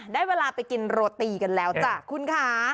ได้เวลาไปกินโรตีกันแล้วจ้ะคุณค่ะ